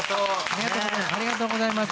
ありがとうございます。